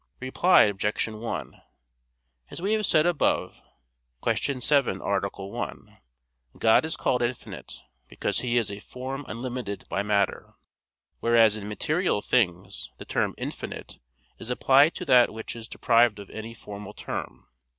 Reply Obj. 1: As we have said above (Q. 7, A. 1), God is called infinite, because He is a form unlimited by matter; whereas in material things, the term "infinite" is applied to that which is deprived of any formal term.